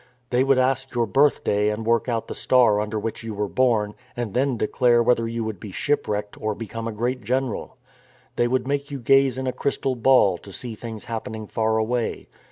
They would ask your birthday and work out the star under which you were born and then declare whether you would be shipwrecked or become a great general. They would make you gaze in a crystal ball to see things hap pening far away.